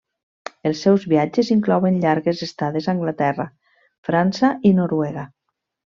Els seus viatges inclouen llargues estades a Anglaterra, França i Noruega.